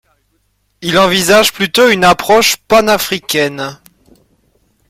Il envisage plutôt une approche pan-africaine.